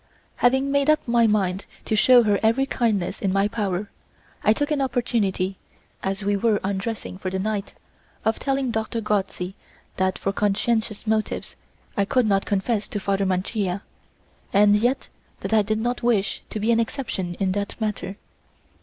Having made up my mind to shew her every kindness in my power, I took an opportunity, as we were undressing for the night, of telling Doctor Gozzi that, for conscientious motives, I could not confess to Father Mancia, and yet that I did not wish to be an exception in that matter.